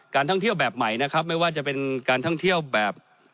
ท่องเที่ยวแบบใหม่นะครับไม่ว่าจะเป็นการท่องเที่ยวแบบ